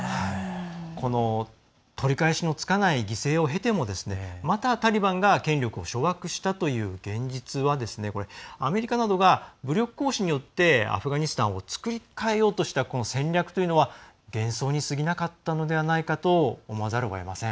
この取り返しのつかない犠牲を経てもまた、タリバンが権力を掌握したという現実はこれはアメリカなどが武力行使によってアフガニスタンを作り変えようとした戦略というのは幻想にすぎなかったのではないかと思わざるをえません。